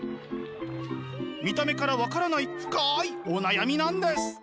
見た目から分からない深いお悩みなんです。